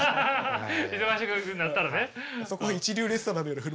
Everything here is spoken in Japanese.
忙しくなったらね。